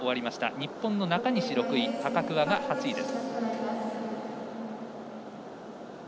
日本の中西が６位高桑が８位です。